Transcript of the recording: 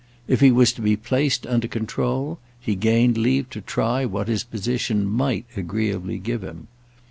If he was to be placed under control he gained leave to try what his position might agreeably give him.